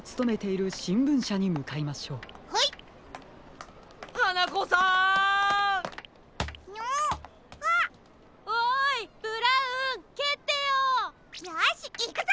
よしいくぞ！